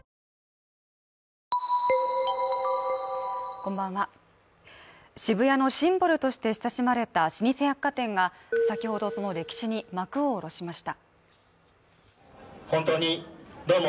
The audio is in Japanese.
こんばんは渋谷のシンボルとして親しまれた老舗百貨店が先ほどその歴史に幕を下ろしました